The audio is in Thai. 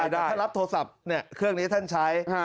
แต่ถ้ารับโทรศัพท์เครื่องนี้ท่านใช้